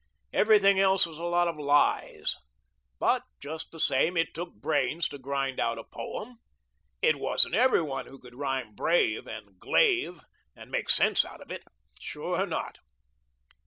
Everything else was a lot of lies. But just the same, it took brains to grind out a poem. It wasn't every one who could rhyme "brave" and "glaive," and make sense out of it. Sure not.